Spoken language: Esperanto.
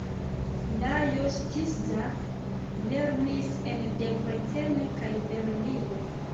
Lajos Tisza lernis en Debrecen kaj Berlino.